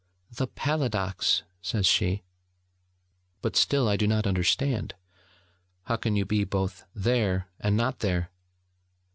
'The paladox,' says she. 'But still I do not understand: how can you be both there and not there?'